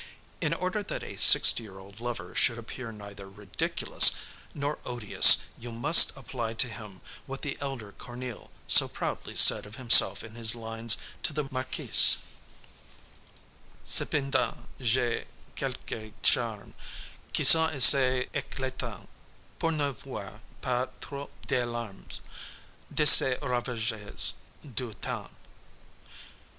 In order that a sixty year old lover should appear neither ridiculous nor odious you must apply to him what the elder Corneille so proudly said of himself in his lines to the marquise: "'Cependant, j'ai quelques charmes Qui sont assez eclatants Pour n'avoir pas trop d'alarmes De ces ravages du temps.'